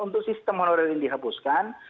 untuk sistem honorer yang dihapuskan